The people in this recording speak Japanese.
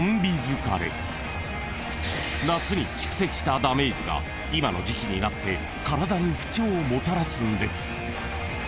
［夏に蓄積したダメージが今の時期になって体に不調をもたらすんです］